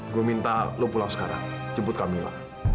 gue minta lo pulang sekarang jebut kamila